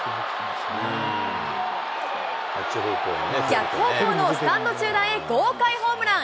逆方向のスタンド中段へ豪快ホームラン。